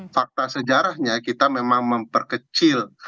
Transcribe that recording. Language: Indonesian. fakta sejarahnya kita memang memperkecil